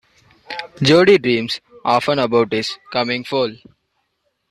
Jody dreams often about his coming foal.